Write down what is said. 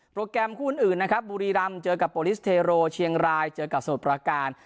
โปรแกรมคู่อื่นบุรีรำเจอกับบอลิสเทโรเชียงรายเจอกับส่วนประการ